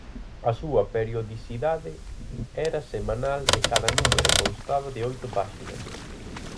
A súa periodicidade era semanal e cada número constaba de oito páxinas.